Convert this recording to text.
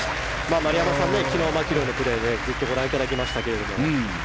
丸山さん、昨日マキロイのプレーをずっとご覧いただきましたが。